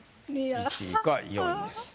１位か４位です。